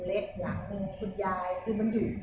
หรือเป็นอะไรที่คุณต้องการให้ดู